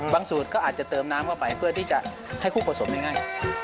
สูตรก็อาจจะเติมน้ำเข้าไปเพื่อที่จะให้คู่ผสมได้ง่าย